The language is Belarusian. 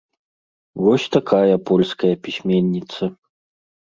Вось такая польская пісьменніца.